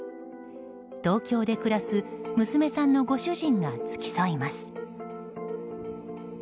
東京で暮らす娘さんのご主人が付き添います。